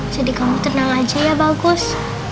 jadi kamu tenang aja ya bagus